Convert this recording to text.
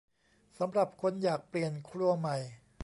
สำหรับคนอยากเปลี่ยนครัวใหม่